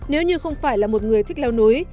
nếu như không phải là một người thích leo núi